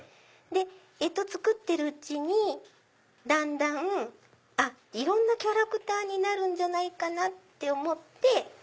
干支作ってるうちにだんだんいろんなキャラクターになるんじゃないかなって思って。